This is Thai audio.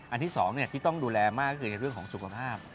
ที่๒ที่ต้องดูแลมากก็คือในเรื่องของสุขภาพ